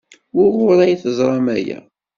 Wuɣur ay d-teẓram aya?